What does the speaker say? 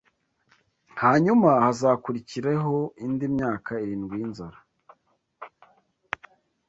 hanyuma hazakurikireho indi myaka irindwi y’inzara